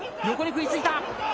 横に食いついた。